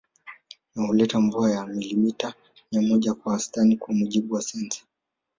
Na huleta mvua ya milimita mia moja kwa wastani kwa mujibu wa sensa